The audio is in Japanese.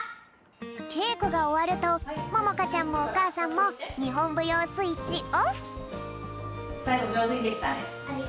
けいこがおわるとももかちゃんもおかあさんもにほんぶようスイッチオフ！